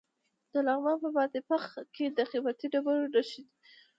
د لغمان په بادپخ کې د قیمتي ډبرو نښې دي.